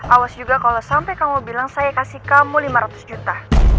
awas juga kalau sampai kamu bilang saya kasih kamu lima ratus juta